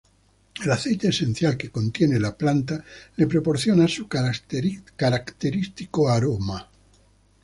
El aceite esencial que contiene la planta le proporciona su característico aroma.